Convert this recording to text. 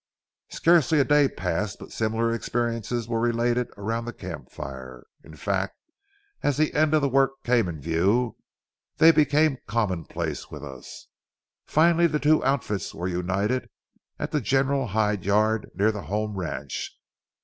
Scarcely a day passed but similar experiences were related around the camp fire. In fact, as the end of the work came in view, they became commonplace with us. Finally the two outfits were united at the general hide yard near the home ranch.